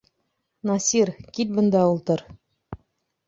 Насир, кил бында ултыр!